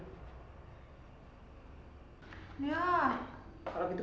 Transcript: kalau gitu kak jony gak bisa traktir saya lagi dong